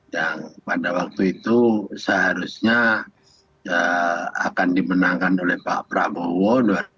yang pada waktu itu seharusnya akan dimenangkan oleh pak prabowo dua ribu dua puluh